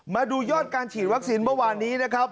มาดูยอดการฉีดวัคซีนเมื่อวานนี้นะครับ